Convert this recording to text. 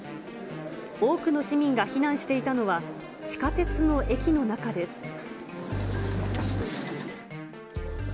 多くの市民が避難していたのは、地下鉄の駅の中です。